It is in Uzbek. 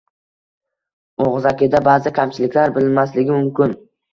Og‘zakida ba’zi kamchiliklar bilinmasligi mumkin.